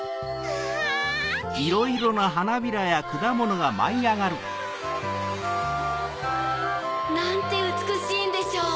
わぁ！なんてうつくしいんでしょう。